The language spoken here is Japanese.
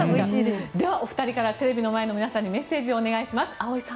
ではお二人からテレビの前の皆さんにメッセージをお願いします。